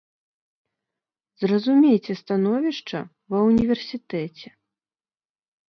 Зразумейце становішча ва ўніверсітэце.